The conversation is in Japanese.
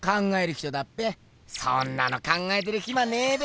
そんなの考えてるヒマねえべ！